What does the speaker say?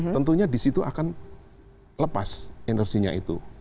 tentunya di situ akan lepas energinya itu